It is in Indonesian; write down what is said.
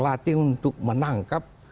terlatih untuk menangkap